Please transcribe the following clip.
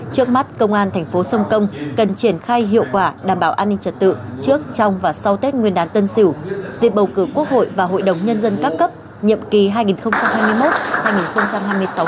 trước mắt công an thành phố sông công cần triển khai hiệu quả đảm bảo an ninh trật tự trước trong và sau tết nguyên đán tân sửu dịp bầu cử quốc hội và hội đồng nhân dân các cấp nhiệm kỳ hai nghìn hai mươi một hai nghìn hai mươi sáu